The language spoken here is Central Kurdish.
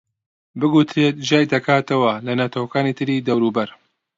بگوترێت جیای دەکاتەوە لە نەتەوەکانی تری دەوروبەر